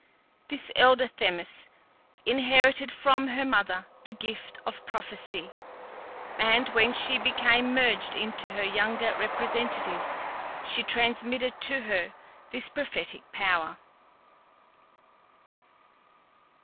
This elder Themis inherited from her mother the gift of prophecy, and when she became merged into her younger representative she transmitted to her this prophetic power.